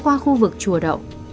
đi qua khu vực chùa đậu